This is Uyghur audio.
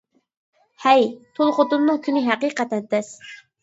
ھەي، تۇل خوتۇننىڭ كۈنى ھەقىقەتەن تەس!